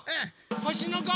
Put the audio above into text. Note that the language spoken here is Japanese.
ほしのこ。